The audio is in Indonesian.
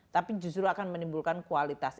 tapi justru akan menimbulkan kualitas